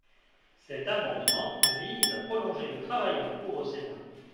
Cet amendement vise à prolonger le travail en cours au Sénat.